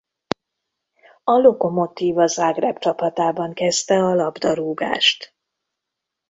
A Lokomotiva Zagreb csapatában kezdte a labdarúgást.